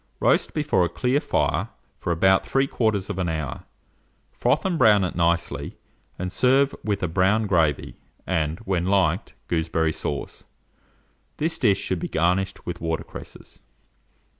Roast before a clear fire for about 3/4 hour, froth and brown it nicely, and serve with a brown gravy, and, when liked, gooseberry sauce. This dish should be garnished with water cresses.